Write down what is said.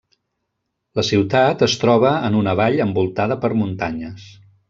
La ciutat es troba en una vall envoltada per muntanyes.